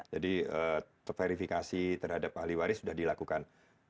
jadi verifikasi terhadap ahli waris sudah dilakukan